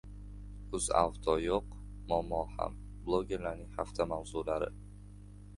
«UzAuto yo‘q – muammo ham». Blogerlarning hafta mavzulari